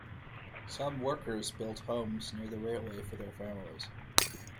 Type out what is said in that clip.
Some workers built homes near the railway for their families.